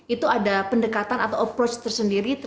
itu ada pendekatan atau approach tersendiri